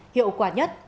hiệu quả nhất